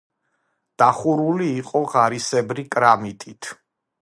დახურული იყო ღარისებრი კრამიტით.